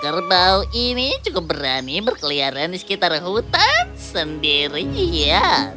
kerbau ini cukup berani berkeliaran di sekitar hutan sendiri ya